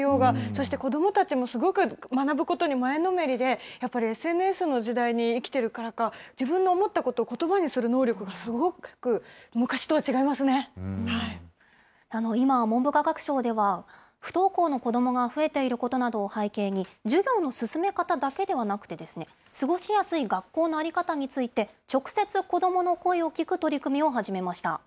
そして子どもたちもすごく学ぶことに前のめりで、やっぱりＳＮＳの時代に生きてるからか、自分の思ったことをことばにする能力が今、文部科学省では、不登校の子どもが増えていることなどを背景に、授業の進め方だけではなくて、過ごしやすい学校の在り方について、直接、子どもの声を聞く取り組みを始めました。